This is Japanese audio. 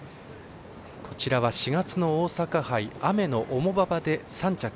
こちらは、４月の大阪杯雨の重馬場で３着。